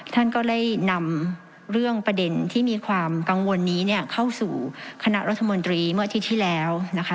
ท่านก็ได้นำเรื่องประเด็นที่มีความกังวลนี้เนี่ยเข้าสู่คณะรัฐมนตรีเมื่ออาทิตย์ที่แล้วนะคะ